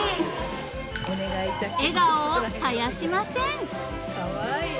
［笑顔を絶やしません］